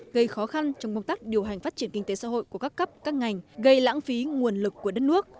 gây khó khăn trong công tác điều hành phát triển kinh tế xã hội của các cấp các ngành gây lãng phí nguồn lực của đất nước